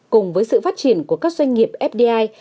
cùng với sự phát triển của các doanh nghiệp fdi